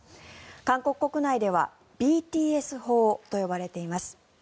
韓国国内ではＢＴＳ法と呼ばれています。